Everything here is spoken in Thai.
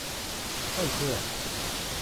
ไม่เชื่อ !